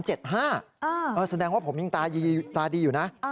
แสดงว่าผมยังตาดีอยู่นะ